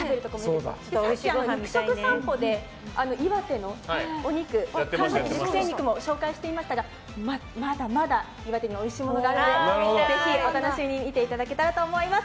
肉食さんぽで岩手のお肉熟成肉も紹介しましたがまだまだ岩手においしいものはあるのでぜひ、お楽しみに見ていただけたらと思います。